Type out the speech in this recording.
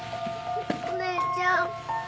お姉ちゃん